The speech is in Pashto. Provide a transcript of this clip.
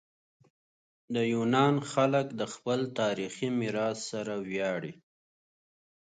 د یونان خلک د خپل تاریخي میراث سره ویاړي.